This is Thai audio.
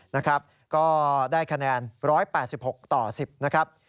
นะครับก็ได้คะแนน๑๘๖ต่อ๑๐นะครับ